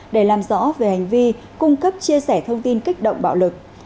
để làm rõ về hành vi cung cấp chia sẻ thông tin kích động bạo lực